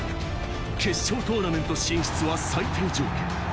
決勝トーナメント進出は最低条件。